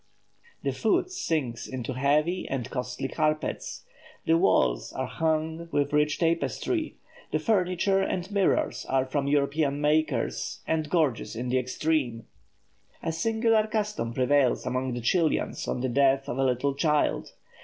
The foot sinks into heavy and costly carpets; the walls are hung with rich tapestry; the furniture and mirrors are from European makers, and gorgeous in the extreme. A singular custom prevails among the Chilians on the death of a little child.